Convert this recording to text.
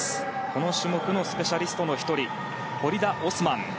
この種目のスペシャリストの１人ファリダ・オスマン。